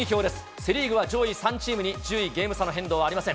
セ・リーグは上位３チームに順位、ゲーム差の変動はありません。